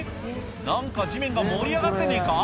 何か地面が盛り上がってねえか？